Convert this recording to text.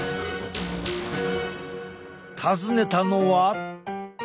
訪ねたのは。